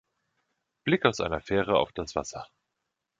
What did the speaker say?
Blick aus einer Fähre auf das Wasser.